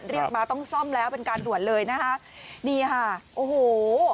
เรียกมาต้องซ่อมแล้วเป็นการด่วนเลยนะคะนี่ค่ะโอ้โห